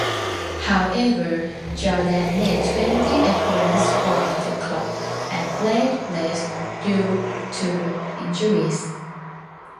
However, Jordan made twenty-appearance for the club and played less due to injuries.